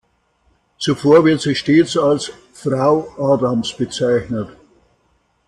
Zuvor wird sie stets als „Frau“ Adams bezeichnet.